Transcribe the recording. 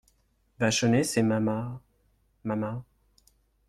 Vachonnet C'est mama … mama …